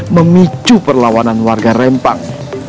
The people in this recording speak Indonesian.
memicu perlawanan warga rempang